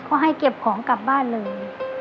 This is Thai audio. ก็ให้เก็บของกลับบ้านเลย